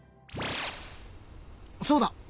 そうだ。